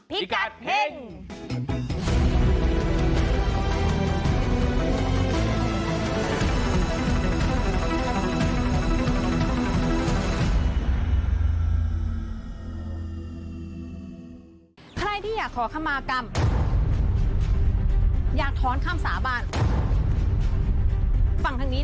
พิกัดเพลง